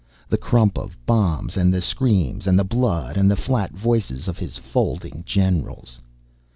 The crump of bombs and the screams and the blood, and the flat voices of his folding generals.